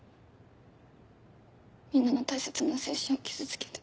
みんなの大切な青春傷つけて。